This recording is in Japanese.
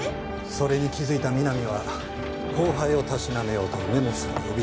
それに気づいた三波は後輩をたしなめようと梅本さんを呼び出して。